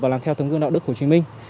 và làm theo tướng cương đạo đức hồ chí minh